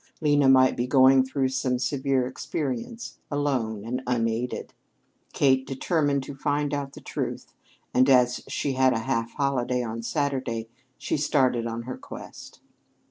Lena might be going through some severe experience, alone and unaided. Kate determined to find out the truth, and as she had a half holiday on Saturday, she started on her quest.